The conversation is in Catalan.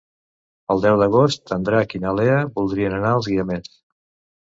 El deu d'agost en Drac i na Lea voldrien anar als Guiamets.